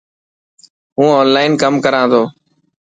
هون اونلان ڪم ڪران ٿو.